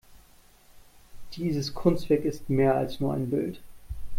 Dieses Kunstwerk ist mehr als nur ein Bild.